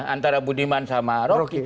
antara budiman sama rocky